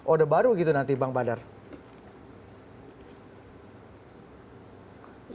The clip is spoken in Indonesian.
orde baru gitu nanti bang badarudin